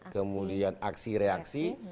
kemudian aksi reaksi